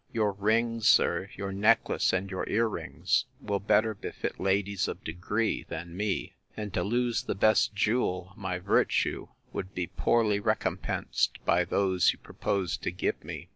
Your rings, sir, your necklace, and your ear rings, will better befit ladies of degree, than me: and to lose the best jewel, my virtue, would be poorly recompensed by those you propose to give me.